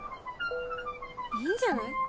いいんじゃない？